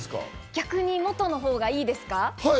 逆に元のほうがいいですか？